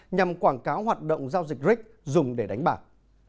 nhằm quảng cáo hoạt động giao dịch ric dùng để đánh bạc